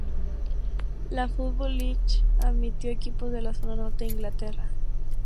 La Football League admitió equipos de la zona norte de Inglaterra.